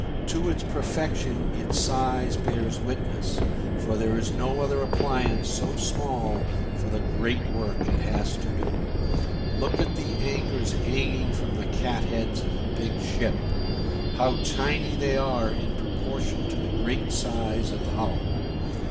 To its perfection its size bears witness, for there is no other appliance so small for the great work it has to do. Look at the anchors hanging from the cat heads of a big ship! How tiny they are in proportion to the great size of the hull!